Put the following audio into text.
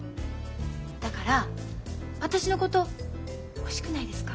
だから私のこと欲しくないですか？